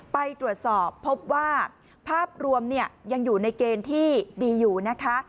ไปตรวจสอบพบว่าภาพรวมยังอยู่ในเกณฑ์ที่ดีอยู่นะคะ